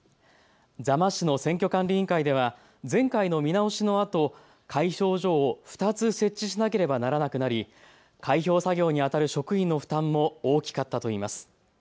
座間市の選挙管理委員会では前回の見直しのあと開票所を２つ設置しなければならなくなり開票作業にあたる職員の負担も大きかったといいます。